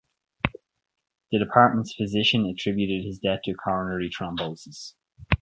The department’s physician attributed his death to Coronary thrombosis.